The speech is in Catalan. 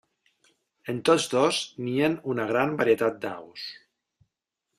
En tots dos nien una gran varietat d'aus.